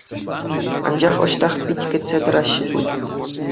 Анчах ӑҫтах пит кӗтсе тӑраҫҫӗ пуль?